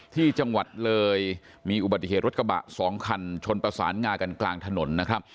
ที่จังหวัดเลยมีอุบัติเหตุรถกระบะสองคันชนประสานงากันกลางถนนนะครับ